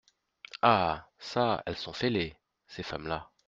Ah ! ça, elles sont fêlées, ces femmes-là !